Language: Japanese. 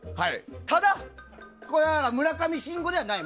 ただ、村上信五ではない。